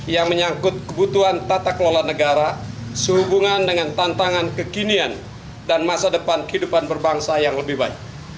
yang menyangkut kebutuhan tata kelola negara sehubungan dengan tantangan kekinian dan masa depan kehidupan berbangsa yang lebih baik